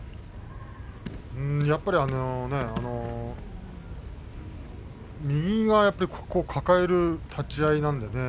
やっぱり右がここを抱える立ち合いなんでね。